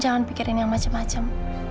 jangan pikirin yang macem macem